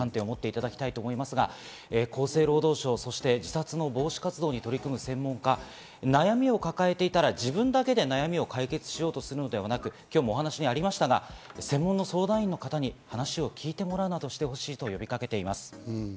厚生労働省、そして自殺の防止活動に取り組む専門家、悩みを抱えていたら自分だけで悩みを解決しようとするのではなく、今日もお話にありましたが、専門の相談員の方に話を聞いてもらうなどしてほしいと呼びかけています。